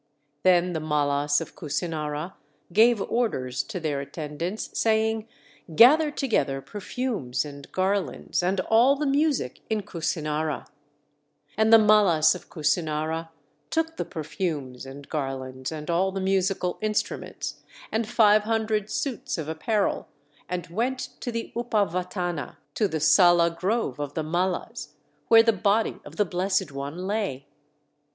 Then the Mallas of Kusinara gave orders to their attendants, saying, "Gather together perfumes and garlands, and all the music in Kusinara!" And the Mallas of Kusinara took the perfumes and garlands, and all the musical instruments, and five hundred suits of apparel, and went to the Upavattana, to the Sala Grove of the Mallas, where the body of the Blessed One lay.